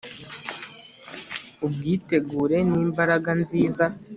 Ubwitegure nimbaraga nziza